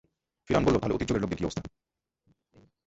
ফিরআউন বলল, তাহলে অতীত যুগের লোকদের অবস্থা কী?